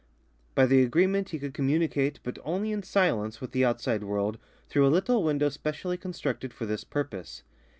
By the agreement he could communicate, but only in silence, with the outside world through a little window specially constructed for this purpose.